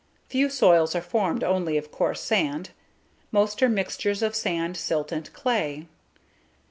Few soils are formed only of coarse sand, most are mixtures of sand, silt and clay.